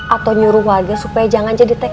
atau nyuruh warga supaya jangan jadi tkp